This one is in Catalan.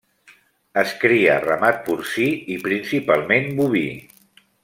Es cria ramat porcí i principalment boví.